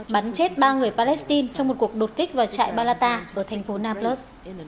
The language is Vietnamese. bắn chết ba người palestine trong một cuộc đột kích vào trại balatar ở thành phố nablus